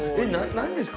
何ですか？